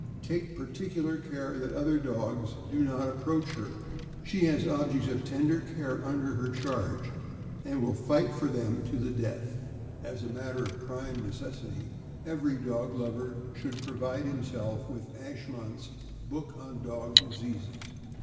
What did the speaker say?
Take particular care that other dogs do not approach her; she has objects of tender care under her charge, and will fight for them to the death. 526 THE AMERICAN BOOK OF THE DOG. As a matter of prime necessity, every dog lover should provide himself with "Ashmont's" book on dog diseases.